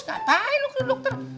gak payah lo ke dokter